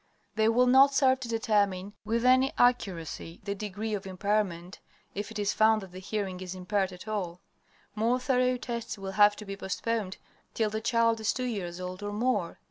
They will not serve to determine with any accuracy the degree of impairment, if it is found that the hearing is impaired at all. More thorough tests will have to be postponed till the child is two years old or more.